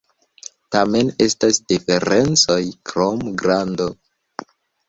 Tamen estas diferencoj krom grando.